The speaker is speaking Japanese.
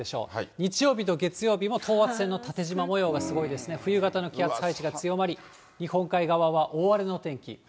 日曜日と月曜日も等圧線の縦じま模様がすごいですね、冬型の気圧配置が強まり、日本海側は大荒れの天気。